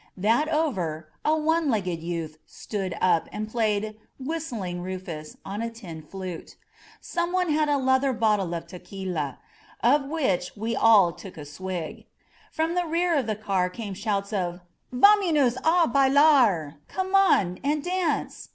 That over, a one legged youth stood up and played 160 DONA LUISA'S HOTEL Whistling Rufus'* on a tin flute. Someone had a leather bottle of teqvUa, of which we all took a swig. From the rear of the car came shouts of Vamonos a baUart Come on and dance!"